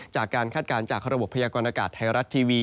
คาดการณ์จากระบบพยากรณากาศไทยรัฐทีวี